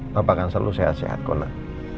papa kan selalu sehat sehat kok nak